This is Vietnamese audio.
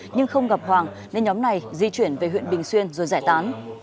nhưng không gặp hoàng nên nhóm này di chuyển về huyện bình xuyên rồi giải tán